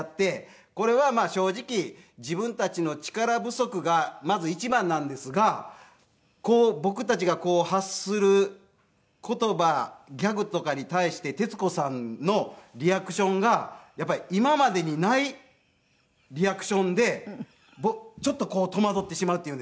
これは正直自分たちの力不足がまず一番なんですが僕たちがこう発する言葉ギャグとかに対して徹子さんのリアクションがやっぱり今までにないリアクションでちょっと戸惑ってしまうっていうんですか。